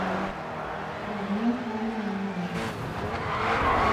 Waní aháma enáre.